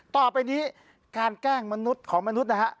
ต่อไปนี้การแกล้งมนุษย์ของมนุษย์นะฮะ